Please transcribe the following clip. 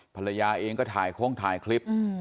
ภรรยาเองก็ถ่ายโค้งถ่ายคลิป